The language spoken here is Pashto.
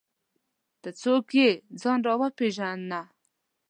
ته څوک یې ؟ ځان راوپېژنه!